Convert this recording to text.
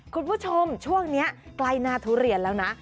คุณผู้ชมช่วงนี้ใกล้หน้าทุเรียนแล้วนะ